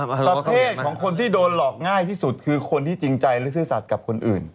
ประเทศของคนที่โดนหลอกง่ายที่สุดคือคนที่จริงใจและซื่อสัตว์กับคนอื่น